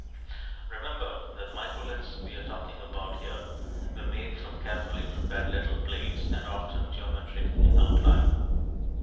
Remember that the microliths we are talking about here were made from carefully prepared little blades, and are often geometric in outline.